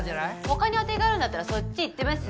他に当てがあるんだったらそっちいってます。